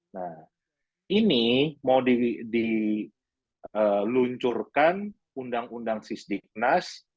nah ini mau diluncurkan undang undang sisdiknas